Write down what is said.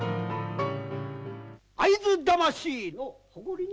会津魂の誇りに！